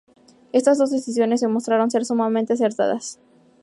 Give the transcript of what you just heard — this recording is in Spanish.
Estas dos decisiones demostraron ser sumamente acertadas.